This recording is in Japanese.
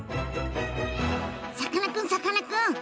さかなクンさかなクン。